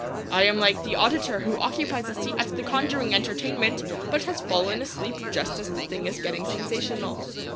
I am like the auditor who occupies a seat at the conjuring entertainment, but has fallen asleep just as the thing is getting sensational.